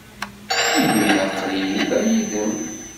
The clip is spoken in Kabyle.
Imir-a, aql-iyi da, yid-m.